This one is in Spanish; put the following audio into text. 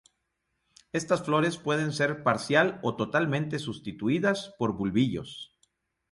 Estas flores pueden ser parcial o totalmente sustituidas por bulbillos.